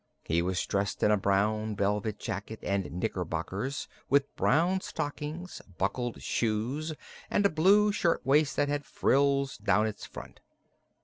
He was dressed in a brown velvet jacket and knickerbockers, with brown stockings, buckled shoes and a blue shirt waist that had frills down its front.